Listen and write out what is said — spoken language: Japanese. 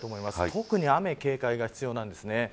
特に雨、警戒が必要なんです。